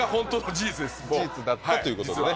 事実だったということですね。